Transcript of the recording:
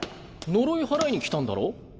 呪い祓いに来たんだろ？